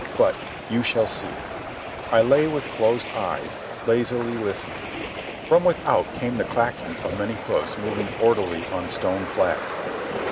But you shall see. I lay with closed eyes, lazily listening. From without came the clacking of many hoofs moving orderly on stone flags.